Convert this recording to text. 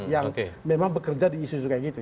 yang memang bekerja di isu isu kayak gitu